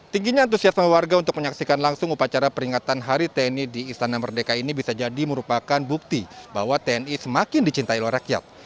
tingginya antusiasme warga untuk menyaksikan langsung upacara peringatan hari tni di istana merdeka ini bisa jadi merupakan bukti bahwa tni semakin dicintai oleh rakyat